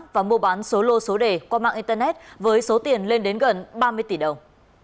và mua bán số lô số đề qua mạng internet với số tiền lên đến gần ba mươi tỷ đồng